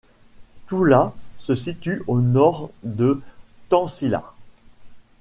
Toula se situe au Nord de Tansila.